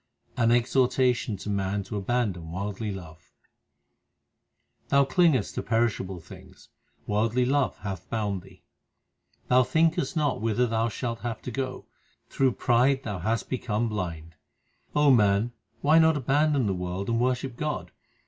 1 An exhortation to man to abandon worldly love : Thou clingest to perishable things ; worldly love hath bound thee. Thou thinkest not whither thou shalt have to go : through pride thou hast become blind. O man, why not abandon the world and worship God